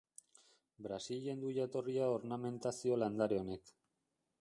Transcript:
Brasilen du jatorria ornamentazio landare honek.